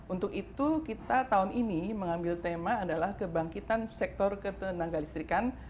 untuk itu kita tahun ini mengambil tema adalah kebangkitan sektor ketenaga listrikan